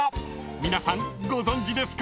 ［皆さんご存じですか？］